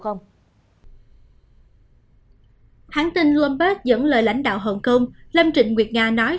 hãng tin bloomberg dẫn lời lãnh đạo hồng kông lâm trịnh nguyệt nga nói